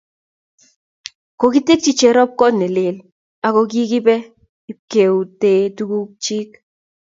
Kokitekchi Cherop kot ne lel ako kikipe ipkeute tukuk chik.